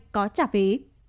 có trả phí